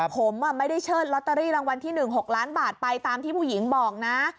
ผมไม่ได้เชิดลอตเตอรี่รางวัลที่๑๖ล้านบาทไปตามที่ผู้หญิงบอกนะ